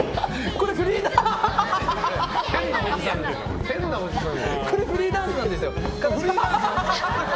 これ、フリーダンスなんですよ。